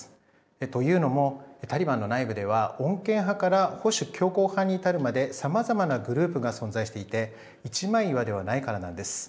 というのも、タリバンの内部では穏健派から保守強硬派に至るまでさまざまなグループが存在していて一枚岩ではないからなんです。